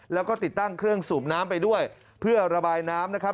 แล้วก็ติดตั้งเครื่องสูบน้ำไปด้วยเพื่อระบายน้ำนะครับ